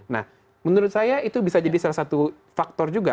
nah menurut saya itu bisa jadi salah satu faktor juga